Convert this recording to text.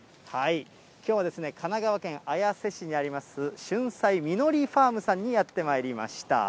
きょうは神奈川県綾瀬市にあります、旬菜みのりファームさんにやってまいりました。